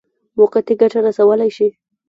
موقتي ګټه رسولای شي.